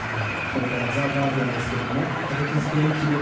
それからザ・ガーディアンですが立て続けに決めた